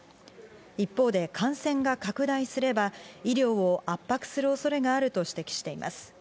一方で感染が拡大すれば医療を圧迫する恐れがあると指摘しています。